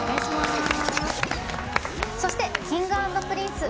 そしてＫｉｎｇ＆Ｐｒｉｎｃｅ！